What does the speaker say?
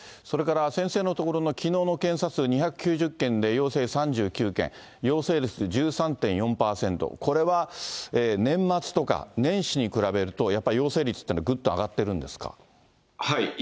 それから先生の所のきのうの検査数２９０件で陽性３９件、陽性率１３．４％、これは年末とか年始に比べると、やっぱり陽性率っていうのは、はい。